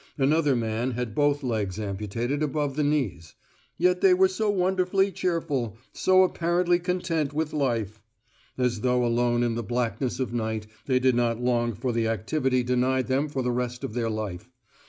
Another man had both legs amputated above the knees. Yet they were so wonderfully cheerful, so apparently content with life! As though alone in the blackness of night they did not long for the activity denied them for the rest of their life.